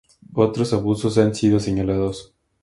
Otros abusos han sido señalados.